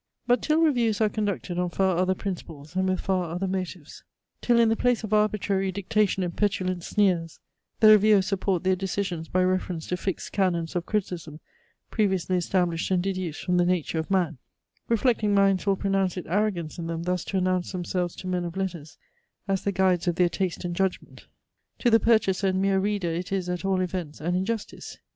But till reviews are conducted on far other principles, and with far other motives; till in the place of arbitrary dictation and petulant sneers, the reviewers support their decisions by reference to fixed canons of criticism, previously established and deduced from the nature of man; reflecting minds will pronounce it arrogance in them thus to announce themselves to men of letters, as the guides of their taste and judgment. To the purchaser and mere reader it is, at all events, an injustice.